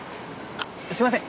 あっすみません。